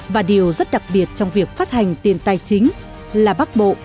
và điều rất đặc biệt trong việc phát hành tiền tài chính là bắc bộ